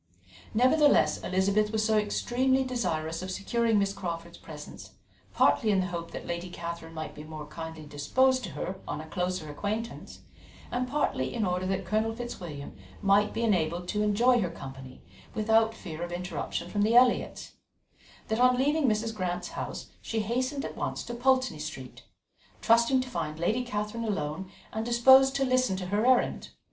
Nevertheless, Elizabeth was so extremely desirous of securing Miss Crawford's presence, partly in the hope that Lady Catherine might be more kindly disposed to her on a closer acquaintance, and partly in order that Colonel Fitzwilliam might be enabled to enjoy her company without fear of interruption from the Elliots, that on leaving Mrs. Grant's house she hastened at once to Pulteney Street, trusting to find Lady Catherine alone and disposed to listen to her errand.